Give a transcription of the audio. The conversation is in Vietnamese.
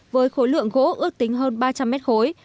với khối lượng gỗ ước tính hơn ba trăm linh mét khối